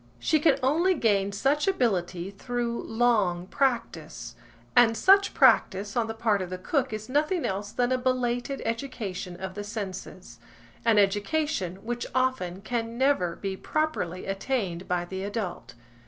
She can only gain such ability through long practice, and such practice on the part of the cook is nothing else than a belated education of the senses–an education which often can never be properly attained by the adult.